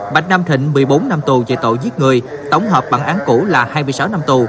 bạch nam thịnh một mươi bốn năm tù về tội giết người tổng hợp bản án cũ là hai mươi sáu năm tù